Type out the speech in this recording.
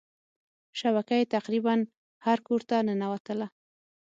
شبکه یې تقريبا هر کورته ننوتله.